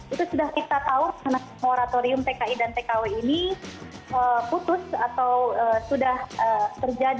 itu sudah kita tahu karena moratorium tki dan tkw ini putus atau sudah terjadi